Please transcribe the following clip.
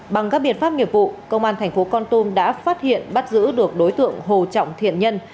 bằng các biện pháp nghiệp vụ công an thành phố con tum đã phát hiện bắt giữ được đối tượng hồ trọng thiện nhân